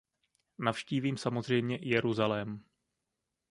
Navštívím samozřejmě i Jeruzalém.